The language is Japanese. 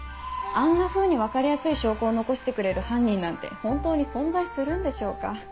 あんなふうに分かりやすい証拠を残してくれる犯人なんて本当に存在するんでしょうか？